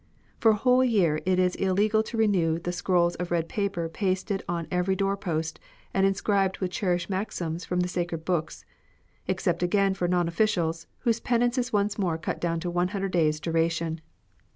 For a whole year it is illegal to renew the scrolls of red paper pasted on §very door post and inscribed with cherished maxims from the sacred books ; except again for non officials, whose penance is once more cut down to one hundred days' duration.